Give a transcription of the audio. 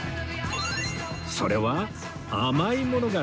それは甘いものが大好き